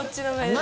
何？